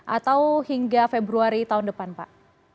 atau hingga februari tahun depan pak